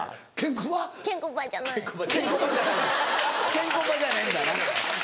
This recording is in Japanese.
ケンコバじゃないんだな。